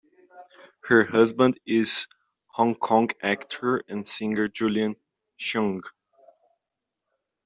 Her husband is Hong Kong actor and singer Julian Cheung.